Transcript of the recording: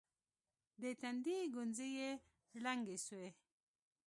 د تندي گونځې يې ړنګې سوې.